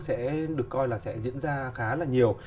sẽ được coi là sẽ diễn ra khá là nhiều